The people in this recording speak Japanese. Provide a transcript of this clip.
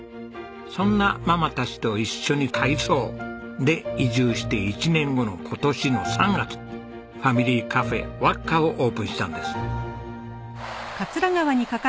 そんなママたちと一緒に改装。で移住して１年後の今年の３月ファミリーカフェわっかをオープンしたんです。